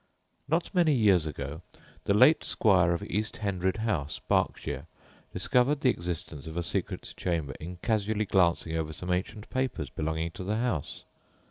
Not many years ago the late squire of East Hendred House, Berkshire, discovered the existence of a secret chamber in casually glancing over some ancient papers belonging to the house.